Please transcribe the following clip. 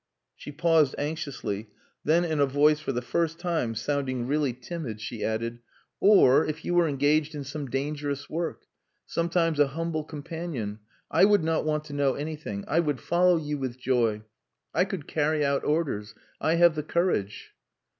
She paused anxiously, then in a voice for the first time sounding really timid, she added "Or if you were engaged in some dangerous work. Sometimes a humble companion I would not want to know anything. I would follow you with joy. I could carry out orders. I have the courage."